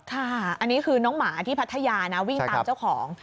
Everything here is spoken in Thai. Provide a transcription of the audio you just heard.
ค่ะอันนี้คือน้องหมาที่พัทยานะวิ่งตามเจ้าของ